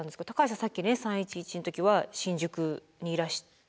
さっきね「３．１１」の時は新宿にいらして。